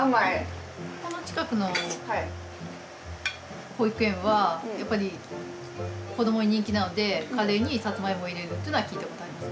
この近くの保育園はやっぱり子どもに人気なのでカレーにさつま芋入れるっていうのは聞いたことあります。